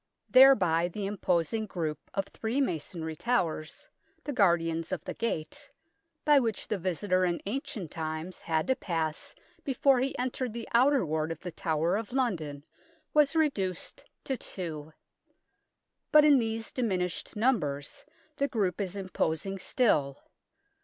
Thereby the imposing group of three masonry towers the guardians of the gate by which the visitor in ancient times had to pass before he entered the Outer Ward of the Tower of London, was reduced to two ; but in these diminished numbers the group is imposing still.